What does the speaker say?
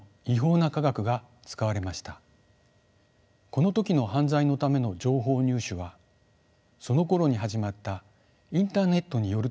この時の犯罪のための情報入手はそのころに始まったインターネットによるところが大きかったのです。